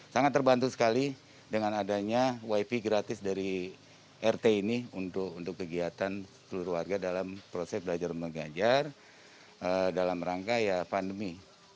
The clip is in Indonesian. sangat terbantu sekali dengan adanya wifi gratis dari rt ini untuk kegiatan seluruh warga dalam proses belajar mengajar dalam rangka ya pandemi